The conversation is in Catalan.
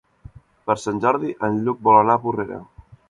Per Sant Jordi en Lluc vol anar a Porrera.